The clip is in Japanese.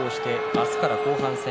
明日から後半戦。